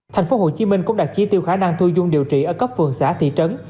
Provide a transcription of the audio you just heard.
tp hcm cũng đặt chi tiêu khả năng thu dung điều trị ở cấp phường xã thị trấn